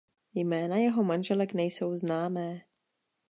Jména jeho manželek nejsou známé.